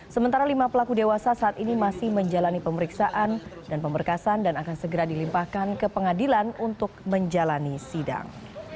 sementara lima pelaku dewasa saat ini masih menjalani pemeriksaan dan pemberkasan dan akan segera dilimpahkan ke pengadilan untuk menjalani sidang